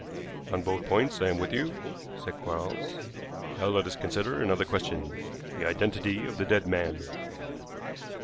"On both points I am with you," said Quarles. "Now let us consider another question the identity of the dead man."